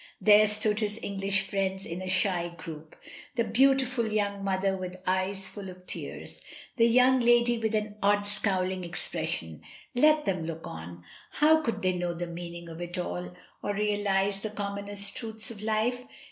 There stood his English friends in a shy group, the beautiful young mother with eyes full of tears, the young lady with an odd scowling ex pression; let them look on; how could they know the meaning of it all, or realise the commonest truths of life?